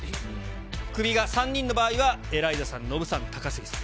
クビが３人の場合は、エライザさん、ノブさん、高杉さん。